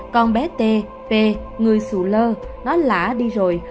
con bé t p người sù lơ nó lã đi rồi